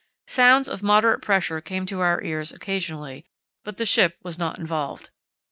Sounds of moderate pressure came to our ears occasionally, but the ship was not involved.